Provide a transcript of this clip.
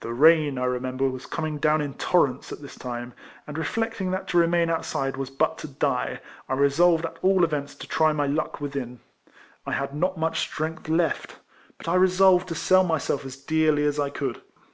The rain, I remember, was coming down in torrents at this time, and, reflecting that to remain outside w^as but to die, I resolved at all events to try my luck within. I had not much strength left; but I resolved to sell myself as dearly as I could.